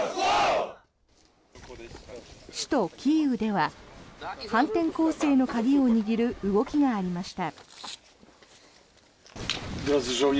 首都キーウでは反転攻勢の鍵を握る動きがありました。